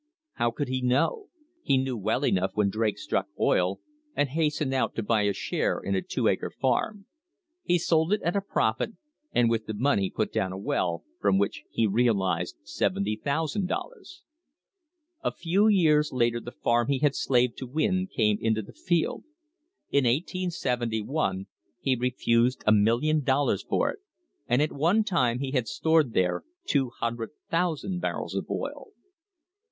How could he know? He knew well enough when Drake struck oil, and hastened out to buy a share in a two acre farm. He sold it at a profit, and with the money put down a well, from which he realised $70,000. A few years later the farm he had slaved to win came into the field. In 1871 he refused a million dollars for it, and at one time he had stored there 200,000 barrels of oil.